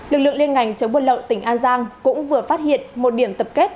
lực lượng liên ngành chống buôn lậu tỉnh an giang cũng vừa phát hiện một điểm tập kết